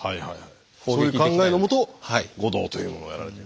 そういう考えのもと護道というものをやられてる。